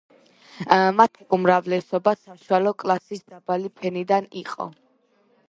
მათი უმრავლესობა საშუალო კლასის დაბალი ფენიდან იყო.